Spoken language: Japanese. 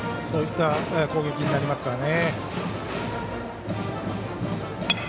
そういった攻撃になりますからね。